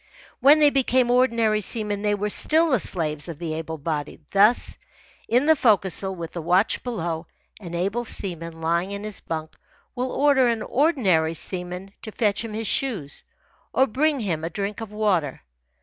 When they became ordinary seamen they were still the slaves of the able bodied. Thus, in the forecastle, with the watch below, an able seaman, lying in his bunk, will order an ordinary seaman to fetch him his shoes or bring him a drink of water.